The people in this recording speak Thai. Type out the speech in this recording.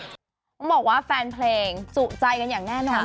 ต้องบอกว่าแฟนเพลงจุใจกันอย่างแน่นอน